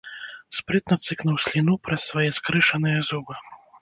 Спрытна цыкнуў сліну праз свае скрышаныя зубы.